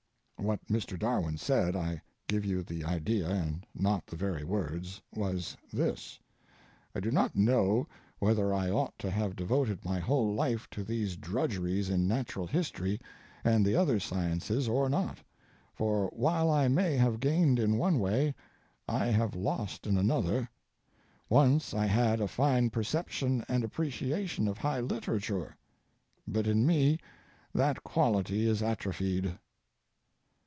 What Mr. Darwin said—I give you the idea and not the very words—was this: I do not know whether I ought to have devoted my whole life to these drudgeries in natural history and the other sciences or not, for while I may have gained in one way I have lost in another. Once I had a fine perception and appreciation of high literature, but in me that quality is atrophied.